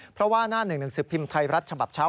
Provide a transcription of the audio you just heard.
เพราะว่าหน้า๑๑๑สิบพิมพ์ไทยรัฐฉบับเช้า